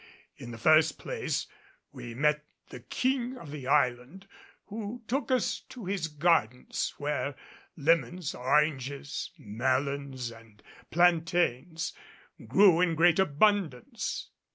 In the first place, we met the King of the island, who took us to his gardens, where lemons, oranges, melons and plantains grew in great abundance.